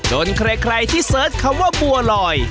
ใครที่เสิร์ชคำว่าบัวลอย